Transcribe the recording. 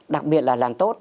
đặc biệt là làm tốt